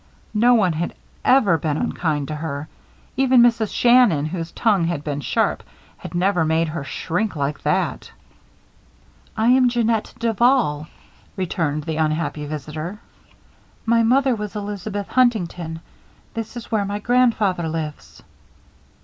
No one had ever been unkind to her. Even Mrs. Shannon, whose tongue had been sharp, had never made her shrink like that. "I am Jeannette Duval," returned the unhappy visitor. "My mother was Elizabeth Huntington. This is where my grandfather lives."